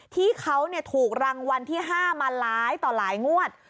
ที่เขาถูกรางวัลที่๕มาหลายต่อหลายงวด